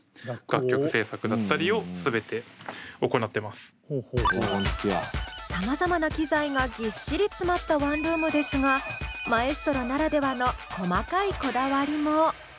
狭いですけどさまざまな機材がぎっしり詰まったワンルームですがマエストロならではの細かいこだわりも。